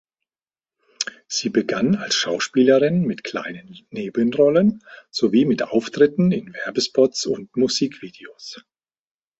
Sie begann als Schauspielerin mit kleinen Nebenrollen sowie mit Auftritten in Werbespots und Musikvideos.